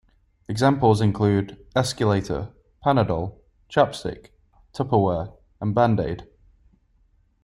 Examples include "escalator", "panadol", "chapstick", "tupperware", and "bandaid".